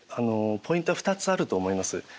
ポイントは２つあると思います。